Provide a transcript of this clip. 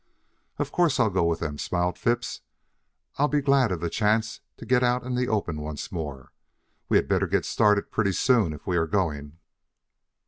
"Of course I'll go with them," smiled Phipps. "I'll be glad of the chance to get out in the open once more. We had better get started pretty soon if we are going."